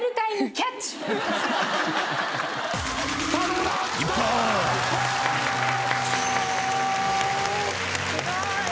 すごーい！